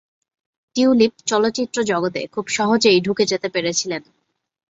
Tulip চলচ্চিত্র জগতে খুব সহজেই ঢুকে যেতে পেরেছিলেন।